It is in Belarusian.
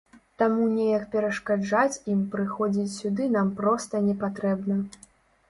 Таму неяк перашкаджаць ім прыходзіць сюды нам проста не патрэбна.